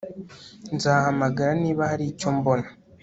Nzahamagara niba hari icyo mbona